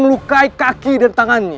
melepaskan kaki dan tangannya